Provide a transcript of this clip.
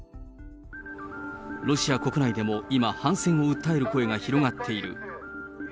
ロシア国内でも今、反戦を訴える声が広がっている。